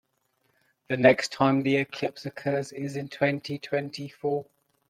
The next time the eclipse occurs is in twenty-twenty-four.